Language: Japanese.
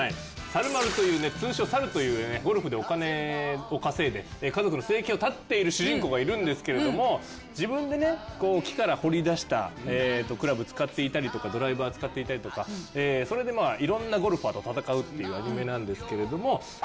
猿丸というね通称猿というねゴルフでお金を稼いで家族の生計を立てている主人公がいるんですけれども自分でねこう木から彫り出したクラブ使っていたりとかドライバー使っていたりとかそれでいろんなゴルファーと戦うっていうアニメなんですけれども。